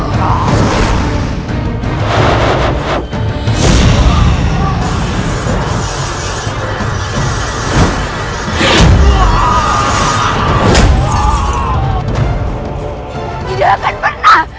tidak akan pernah